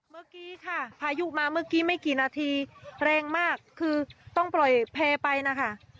เมื่อกี้ค่ะพายุมาเมื่อกี้ไม่กี่นาทีแรงมากคือต้องปล่อยแพร่ไปนะคะ